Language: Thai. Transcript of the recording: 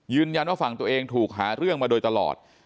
ยืนยันว่าฝั่งตัวเองถูกหาเรื่องมาโดยตลอด